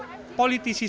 saya berpikir saya juga